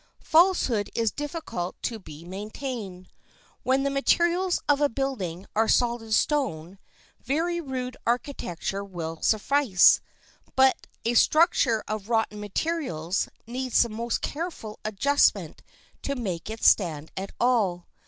Falsehood is difficult to be maintained. When the materials of a building are solid stone, very rude architecture will suffice; but a structure of rotten materials needs the most careful adjustment to make it stand at all.